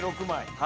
はい。